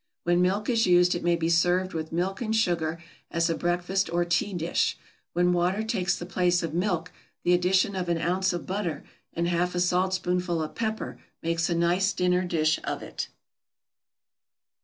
When milk is used it may be served with milk and sugar as a breakfast or tea dish; when water takes the place of milk, the addition of an ounce of butter, and half a saltspoonful of pepper makes a nice dinner dish of it.